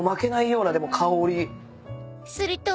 ［すると］